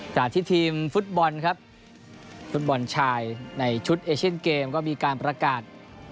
จากที่ทีมฟุตบอลครับฟุตบอลชายในชุดเอเชียนเกมก็มีการประกาศ